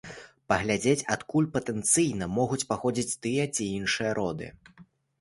Паглядзець, адкуль патэнцыйна могуць паходзіць тыя ці іншыя роды.